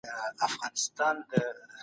دا موضوع د پوهانو لخوا څېړل سوي ده.